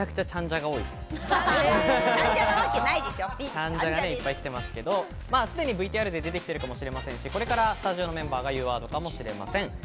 チャンジャがいっぱい来ていますけれど、すでにＶＴＲで出てきているかもしれませんし、これからスタジオのメンバーが言うワードかもしれません。